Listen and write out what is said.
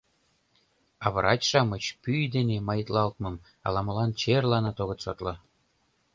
А врач-шамыч пӱй дене маитлалтмым ала-молан черланат огыт шотло.